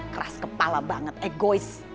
keras kepala banget egois